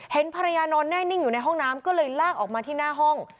ภรรยานอนแน่นิ่งอยู่ในห้องน้ำก็เลยลากออกมาที่หน้าห้อง